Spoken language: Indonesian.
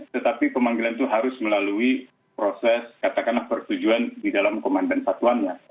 tetapi pemanggilan itu harus melalui proses katakanlah persetujuan di dalam komandan satuannya